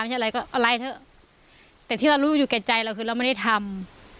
ชื่ออะไรก็อะไรเถอะแต่ที่เรารู้อยู่แก่ใจเราคือเราไม่ได้ทำ